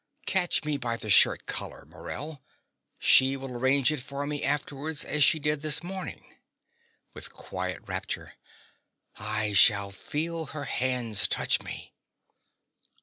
Catch me by the shirt collar, Morell: she will arrange it for me afterwards as she did this morning. (With quiet rapture.) I shall feel her hands touch me.